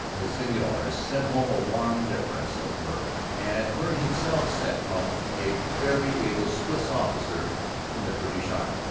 The seigneurs sent home a warm defence of Murray; and Murray himself sent Cramahe, a very able Swiss officer in the British Army.